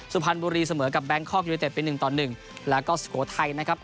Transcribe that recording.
สุภัณฑ์บุรีเสมอกับแบงค์คอกยุโดยเต็ดเป็นหนึ่งต่อหนึ่งแล้วก็สุโขทัยนะครับ